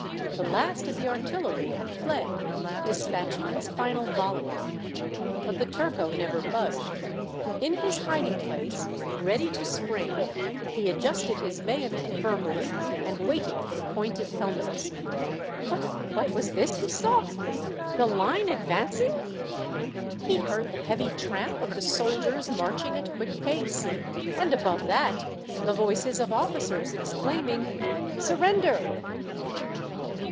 The last of the artillery had fled, despatching its final volley. A Turco of the Commune, 165 But the turco never budged. In his hiding place, ready to spring, he adjusted his bayonet firmly, and waited for the pointed helmets. But what was this he saw? The line advancing! He heard the heavy tramp of the soldiers marching at quick pace, and above that the voices of officers exclaiming :" Surrender